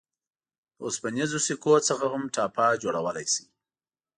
د اوسپنیزو سکو څخه هم ټاپه جوړولای شئ.